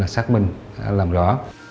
xác minh làm rõ